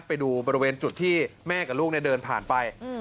ไปดูบริเวณจุดที่แม่กับลูกเดินผ่านไป